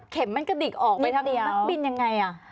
เข็มมันก็ดิกออกอย่างงี้นักบินยังไง